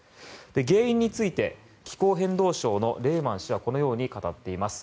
原因について気候変動相のレーマン氏はこのように語っています。